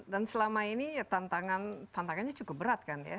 dan selama ini ya tantangannya cukup berat kan ya